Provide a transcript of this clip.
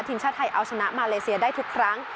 ทีมชาติไทยเอาชนะมาเลเซียได้ทุกครั้ง